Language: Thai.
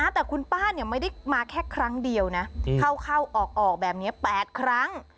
แต่คุณป้าไม่ได้มาแค่ครั้งเดียวนะเข้าออกแบบนี้๘ครั้ง